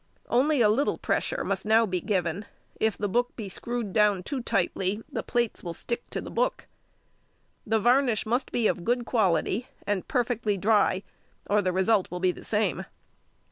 Only little pressure must now be given; if the press be screwed down too tightly the plates will stick to the book. The varnish must be of good quality, and perfectly dry, or the result will be the same.